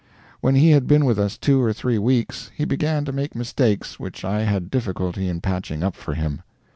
When he had been with us two or three weeks, he began to make mistakes which I had difficulty in patching up for him.